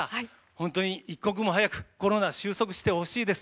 本当に一刻も早くコロナ収束してほしいです。